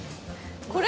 これ？